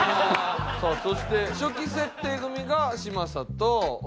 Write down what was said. さあそして初期設定組が嶋佐と大西くん。